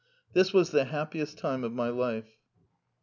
This was the happiest time of my life.